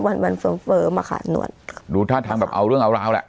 วันวันเฟิร์มเฟิร์มอ่ะค่ะหนวดดูท่าทางแบบเอาเรื่องเอาราวแหละ